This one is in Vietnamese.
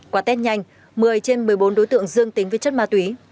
qua test nhanh một mươi trên một mươi bốn đối tượng dương tính với chất ma túy